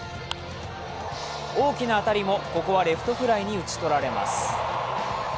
大きな当たりもここはレフトフライに打ち取られます。